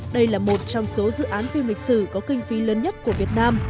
đây là một trong số dự án phim lịch sử có kinh phí lớn nhất của việt nam